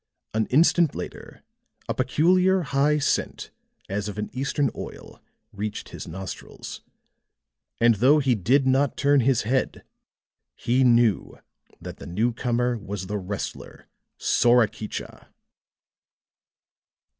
An instant later, a peculiar, high scent as of an Eastern oil reached his nostrils; and though he did not turn his head, he knew that the newcomer was the wrestler, Sorakicha.